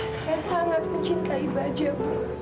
saya sangat mencintai budge bu